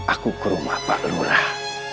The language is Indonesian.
aku ke rumah pak lurah